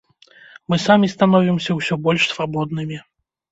Мы самі становімся ўсё больш свабоднымі.